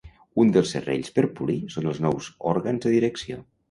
Un dels serrells per polir són els nous òrgans de direcció.